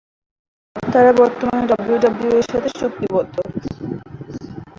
তারা বর্তমানে ডাব্লিউডাব্লিউই-এর সাথে চুক্তিবদ্ধ।